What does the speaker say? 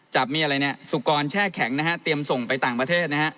จะมีอะไรเนี่ยสุกรแช่แข็งนะฮะเตรียมส่งไปต่างประเทศนะฮะ